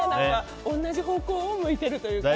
同じ方向を向いているというか。